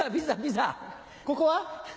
ここは？